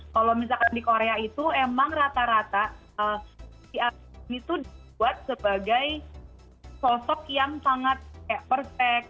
kalau misalkan di korea itu emang rata rata si anak itu dibuat sebagai sosok yang sangat kayak perfect